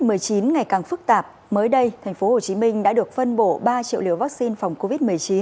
ngày ngày càng phức tạp mới đây tp hcm đã được phân bổ ba triệu liều vaccine phòng covid một mươi chín